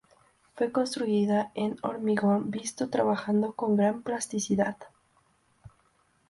Fue construida en hormigón visto, trabajado con gran plasticidad.